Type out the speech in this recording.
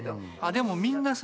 でもみんなさ